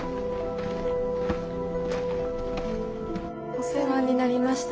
お世話になりました。